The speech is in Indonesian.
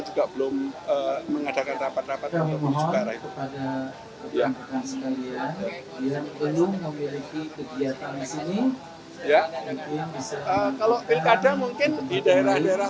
juga belum mengadakan rapat rapat yang lebih juga raya ya kalau ada mungkin di daerah daerah